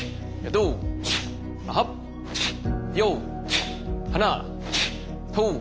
どうも。